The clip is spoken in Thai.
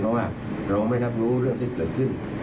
เพราะว่าเราไม่รับรู้เรื่องที่เกิดขึ้น